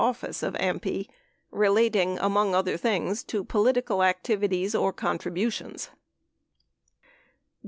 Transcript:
office of AMPI relating, among other things, to political activi ties or contributions.